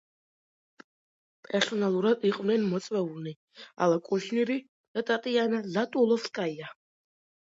პერსონალურად იყვნენ მოწვეულნი: ალა კუშნირი და ტატიანა ზატულოვსკაია.